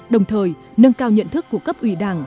đồng thời nâng cao nhận thức của cấp ủy đảng